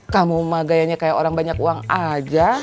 kamu mah gayanya kayak orang banyak uang aja